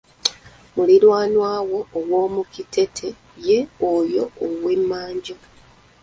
Muliranwawo owomukitete ye oyo ow'emmanju